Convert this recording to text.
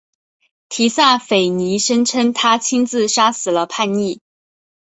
提萨斐尼声称他亲自杀死了叛逆。